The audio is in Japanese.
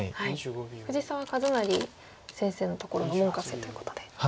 藤澤一就先生のところの門下生ということで。